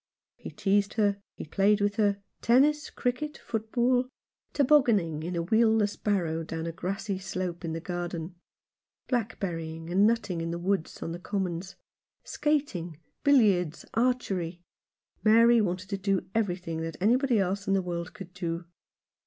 He teased her, and played with her — tennis, cricket, football ; tobogganing in a wheelless barrow down a grassy slope in the garden ; blackberrying and nutting in the woods and on the commons ; skat ing, billiards, archery. Mary wanted to do every thing that anybody else in the world could do.